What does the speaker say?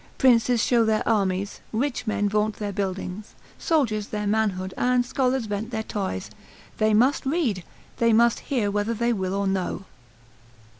Princes show their armies, rich men vaunt their buildings, soldiers their manhood, and scholars vent their toys; they must read, they must hear whether they will or no.